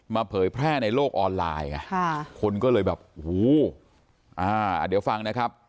มาเพยยแพร่ในโลกออนไลน์คนก็เลยหูอ้าเดี๋ยวฟังนะครับ